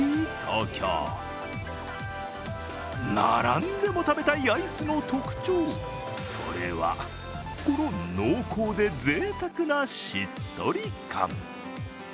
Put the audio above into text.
東京並んでも食べたいアイスの特徴、それは、この濃厚でぜいたくなしっとり感。